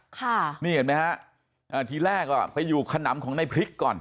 ค่ะนี่เห็นไหมฮะอ่าทีแรกอ่ะไปอยู่ขนำของในพริกก่อน